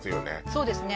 そうですね